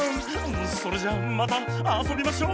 それじゃまたあそびましょ。